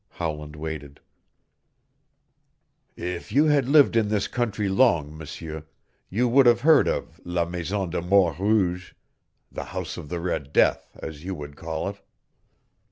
Howland waited. "If you had lived in this country long, M'seur, you would have heard of la Maison de Mort Rouge the House of the Red Death, as you would call it.